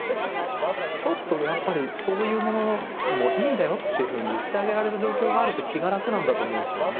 ちょっとやっぱりそういうものもいいんだよっていうふうに言ってあげられる状況があると気が楽なんだと思うんですよね。